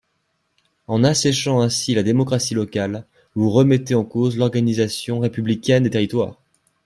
En asséchant ainsi la démocratie locale, vous remettez en cause l’organisation républicaine des territoires.